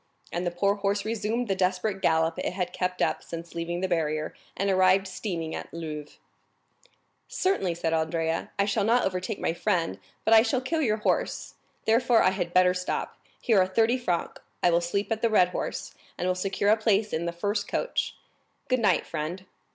And the poor horse resumed the desperate gallop it had kept up since leaving the barrier, and arrived steaming at Louvres. "Certainly," said Andrea, "I shall not overtake my friend, but I shall kill your horse, therefore I had better stop. Here are thirty francs; I will sleep at the Cheval Rouge, and will secure a place in the first coach. Good night, friend."